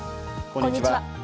こんにちは。